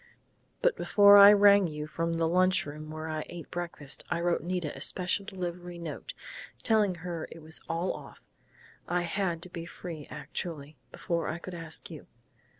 But before I rang you from the lunch room where I ate breakfast I wrote Nita a special delivery note, telling her it was all off. I had to be free actually, before I could ask you....